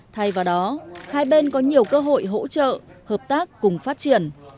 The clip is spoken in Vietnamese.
thay vào đó hai bên có nhiều cơ hội hỗ trợ hợp tác cùng phát triển